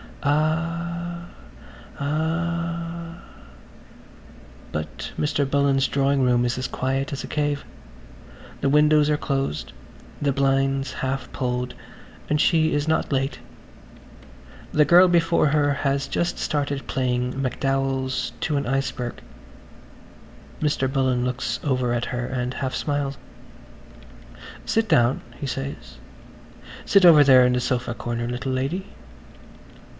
... Ah! ... Ah h!" But Mr. Bullen's drawing room is as quiet as a cave. The windows are closed, the blinds half pulled, and she is not late. The girl before her has just started playing MacDowell's "To an Iceberg." Mr. Bullen looks over at her and half smiles. "Sit down," he says. "Sit over there in the sofa corner, little lady."